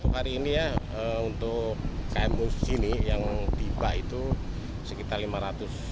hari ini ya untuk km musjini yang tiba itu sekitar lima ratus tujuh belas